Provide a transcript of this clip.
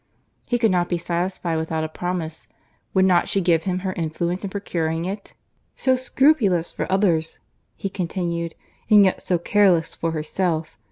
He could not be satisfied without a promise—would not she give him her influence in procuring it?" "So scrupulous for others," he continued, "and yet so careless for herself!